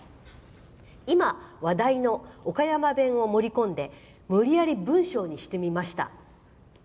「今、話題の岡山弁を盛り込んで無理やり文章にしてみました。